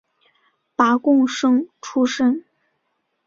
拔贡生出身。